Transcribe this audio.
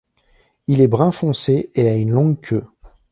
Il est brun foncé et a une longue queue.